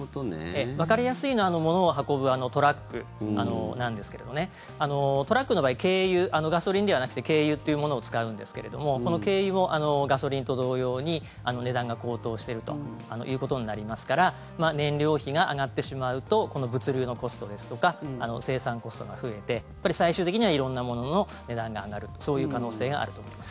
わかりやすいのは物を運ぶトラックなんですがトラックの場合、軽油ガソリンではなくて軽油というものを使うんですがこの軽油もガソリンと同様に値段が高騰しているということになりますから燃料費が上がってしまうと物流のコストとか生産コストが増えて最終的には色んなものの値段が上がるそういう可能性があると思います。